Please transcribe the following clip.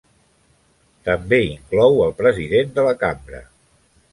També inclou al president de la cambra.